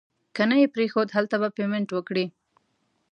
که نه یې پرېښود هلته به پیمنټ وکړي.